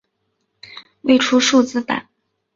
未出数字版。